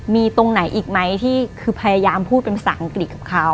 มีตรงไหนอีกไหมที่คือพยายามพูดเป็นภาษาอังกฤษกับเขา